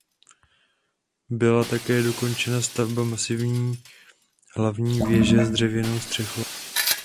Byla také dokončena stavba masivní hlavní věže s dřevěnou střechou.